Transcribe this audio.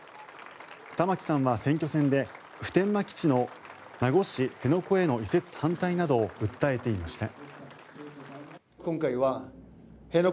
玉城さんは選挙戦で普天間基地の名護市辺野古への移設反対などを訴えていました。